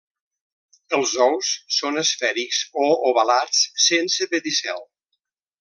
Els ous són esfèrics o ovalats sense pedicel.